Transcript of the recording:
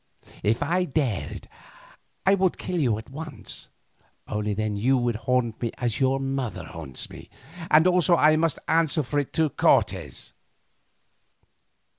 If I dared I would kill you at once, only then you would haunt me as your mother haunts me, and also I must answer for it to Cortes.